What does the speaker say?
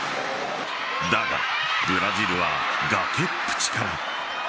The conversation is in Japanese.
だが、ブラジルは崖っぷちから。